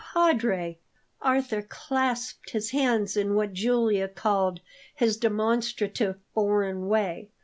"Padre!" Arthur clasped his hands in what Julia called his "demonstrative foreign way."